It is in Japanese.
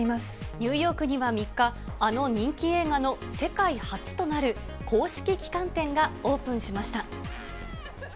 ニューヨークには３日、あの人気映画の世界初となる公式旗艦店がオープンしました。